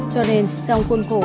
cho nên trong khuôn khổ